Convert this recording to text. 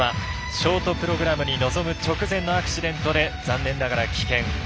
ショートプログラムに臨む直前のアクシデントで残念ながら棄権。